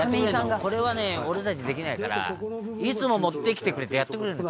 「これはね俺たちできないから」「いつも持ってきてくれてやってくれるんですよ」